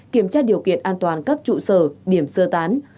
kiểm tra điều kiện an toàn các trụ sở điểm sơ tán